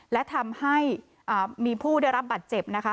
และทำให้มีผู้ได้รับบัตรเจ็บนะคะ